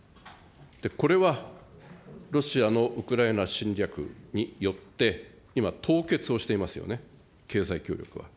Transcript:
これはロシアのウクライナ侵略によって今、凍結をしていますよね、経済協力は。